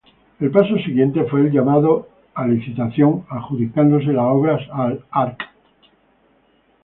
El paso siguiente fue el llamado a licitación, adjudicándose las obras al Arq.